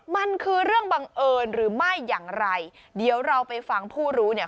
มันคือเรื่องบังเอิญหรือไม่อย่างไรเดี๋ยวเราไปฟังผู้รู้เนี่ย